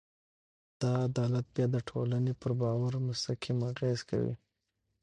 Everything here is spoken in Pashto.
دا عدالت بیا د ټولنې پر باور مستقیم اغېز کوي.